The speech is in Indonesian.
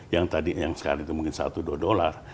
yang tadi yang sekarang itu mungkin satu dua dolar